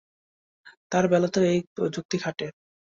তার বেলাতেও এই যুক্তি খাটে।